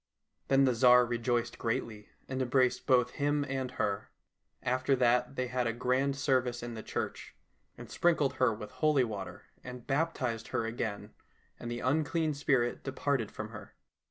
Then the Tsar rejoiced greatly, and embraced both him and her. After that they had a grand service in the church, and sprinkled her with holy water, and baptized her again, and the unclean spirit departed from her.